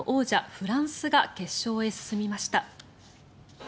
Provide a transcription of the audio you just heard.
フランスが決勝へ進みました。